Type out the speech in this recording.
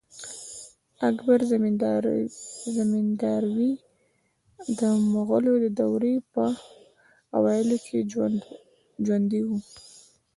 اکبر زمینداوری د مغلو د دوې په اوایلو کښي ژوندی وو.